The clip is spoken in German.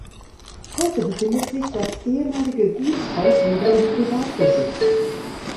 Heute befindet sich das ehemalige Gutshaus wieder in Privatbesitz.